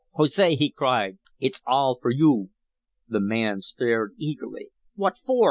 "Jose," he cried, "it's all for you!" The man stared eagerly. "What for?"